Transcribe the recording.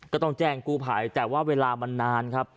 ก็ต้องแจ้งกู้ภัยแต่ว่าเวลามันนานครับ